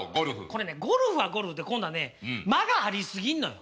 ゴルフはゴルフで今度はね間がありすぎんのよ。